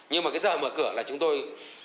nhưng mà cái giờ mở cửa là chúng tôi